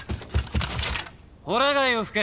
ほら貝を吹け。